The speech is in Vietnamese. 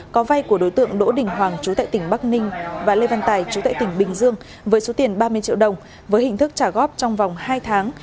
có vay của đối tượng đỗ đình hoàng chú tại tỉnh bắc ninh và lê văn tài chú tại tỉnh bình dương với số tiền ba mươi triệu đồng với hình thức trả góp trong vòng hai tháng